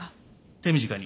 手短に